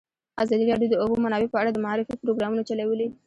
ازادي راډیو د د اوبو منابع په اړه د معارفې پروګرامونه چلولي.